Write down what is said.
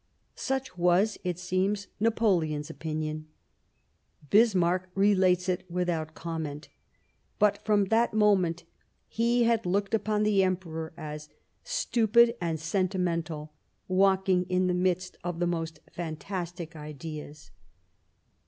Such was, it seems. Napoleon's opinion. Bismarck relates it without comment ; but from that moment he had looked upon the Emperor as " stupid and sentimental ; walking in the midst of the most fantastic ideas."